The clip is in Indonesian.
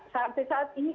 sampai saat ini